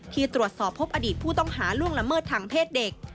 ที่ตรวจสอบพบอดีตผู้ต้องหาล่วงละเมิดทางเพศเด็ก